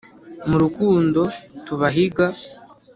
mu rukundo tubahiga